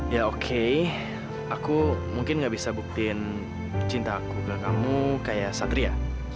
ya oke aku mungkin gak bisa buktiin cinta aku bilang kamu kayak satria